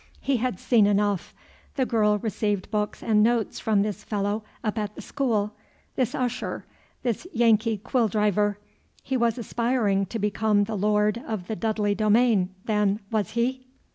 He had seen enough; the girl received books and notes from this fellow up at the school, this usher, this Yankee quill driver; he was aspiring to become the lord of the Dudley domain, then, was he?